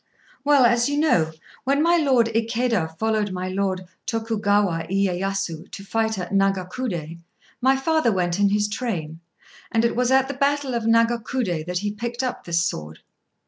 "Well, as you know, when my Lord Ikéda followed my Lord Tokugawa Iyéyasu to fight at Nagakudé, my father went in his train; and it was at the battle of Nagakudé that he picked up this sword."